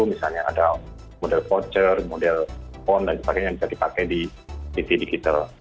misalnya ada model voucher model pon dan sebagainya yang bisa dipakai di tv digital